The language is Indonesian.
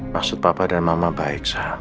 maksud papa dan mama baik